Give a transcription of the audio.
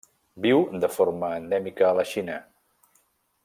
Viu de forma endèmica a la Xina.